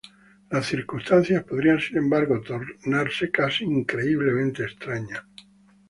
Las circunstancias podrían sin embargo, tornarse casi increíblemente extrañas.